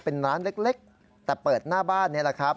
เป็นร้านเล็กแต่เปิดหน้าบ้านนี่แหละครับ